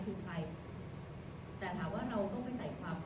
แต่ถามว่าเราต้องไปใส่ความเข้าใจมากดู